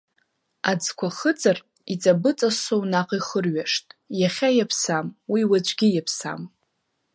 Аӡқәа хыҵыр, иҵабыҵассоу наҟ ихырҩашт, иахьа иаԥсам, уи уаҵәгьы иаԥсам…